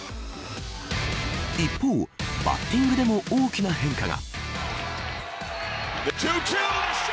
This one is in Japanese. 一方、バッティングでも大きな変化が。